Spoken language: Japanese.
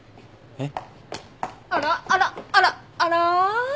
えっ？